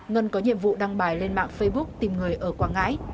ngân có nhiệm vụ đăng bài lên mạng facebook tìm người ở quảng ngãi